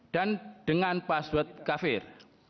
dan dengan password kafir